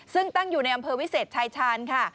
ซึ่งตั้งอยู่ในอำเภอวิเศษชายชาญค่ะ